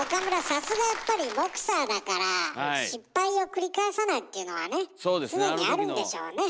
さすがやっぱりボクサーだから失敗を繰り返さないっていうのはね常にあるんでしょうね。